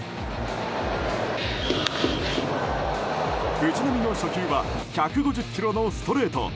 藤浪の初球は１５０キロのストレート。